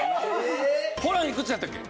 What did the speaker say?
ホランいくつやったっけ？